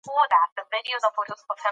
هغې په خپلو شونډو یو پټ راز درلود.